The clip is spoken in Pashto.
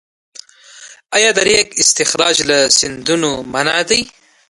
آیا د ریګ استخراج له سیندونو منع دی؟